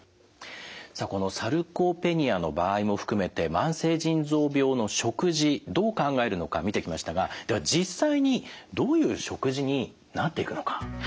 さあこのサルコペニアの場合も含めて慢性腎臓病の食事どう考えるのか見てきましたがでは実際にどういう食事になっていくのか。